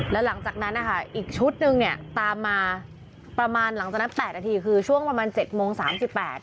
แล้วหลังจากนั้นอีกชุดนึงเนี่ยตามมาประมาณหลังจากนั้น๘นาทีคือช่วงประมาณ๗โมง๓๘นาท